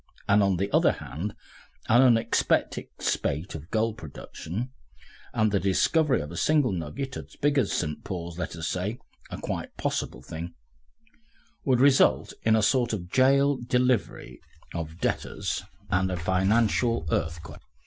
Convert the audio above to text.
And on the other hand an unexpected spate of gold production, the discovery of a single nugget as big as St. Paul's, let us say a quite possible thing would result in a sort of jail delivery of debtors and a financial earthquake.